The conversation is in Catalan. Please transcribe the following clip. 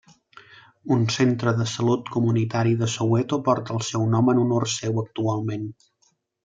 Un centre de salut comunitari de Soweto porta el seu nom en honor seu, actualment.